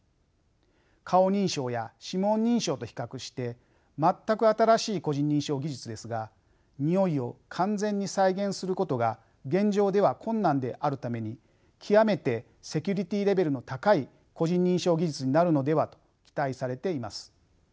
顔認証や指紋認証と比較して全く新しい個人認証技術ですがにおいを完全に再現することが現状では困難であるために極めてセキュリティーレベルの高い個人認証技術になるのではと期待されています。